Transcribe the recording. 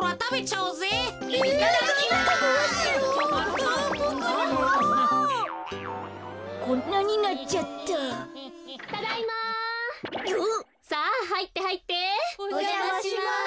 おじゃまします。